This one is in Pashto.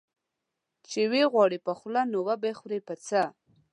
چي وې غواړې په خوله، نو وبې خورې په څه؟